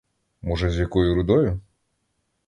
Може, з якою рудою?